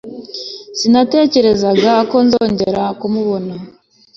Sinatekerezaga ko nzongera kumubona